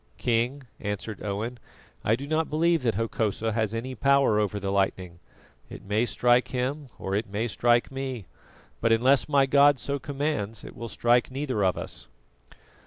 "King," answered Owen, "I do not believe that Hokosa has any power over the lightning. It may strike him or it may strike me; but unless my God so commands, it will strike neither of us."